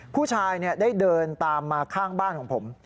ผู้ชายได้เดินตามมาข้างบ้านของผม